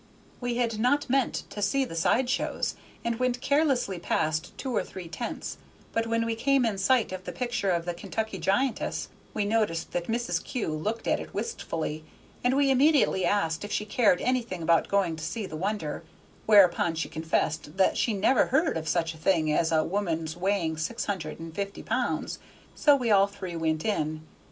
We had not meant to see the side shows, and went carelessly past two or three tents; but when we came in sight of the picture of the Kentucky giantess, we noticed that Mrs. Kew looked at it wistfully, and we immediately asked if she cared anything about going to see the wonder, whereupon she confessed that she never heard of such a thing as a woman's weighing six hundred and fifty pounds, so we all three went in.